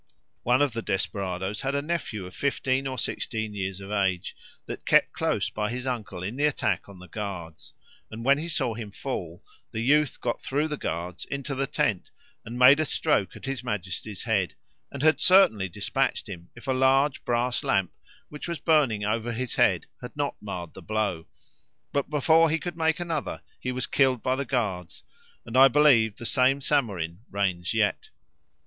One of the desperados had a nephew of fifteen or sixteen years of age, that kept close by his uncle in the attack on the guards, and, when he saw him fall, the youth got through the guards into the tent, and made a stroke at his Majesty's head, and had certainly despatched him if a large brass lamp which was burning over his head had not marred the blow; but, before he could make another, he was killed by the guards; and, I believe, the same Samorin reigns yet.